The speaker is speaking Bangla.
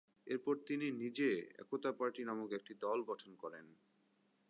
এরপর তিনি নিজে একতা পার্টি নামক একটি দল গঠন করেন।